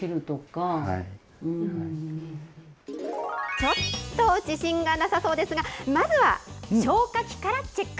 ちょっと自信がなさそうですが、まずは、消火器からチェック。